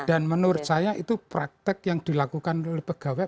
dan menurut saya itu praktek yang dilakukan oleh pegawai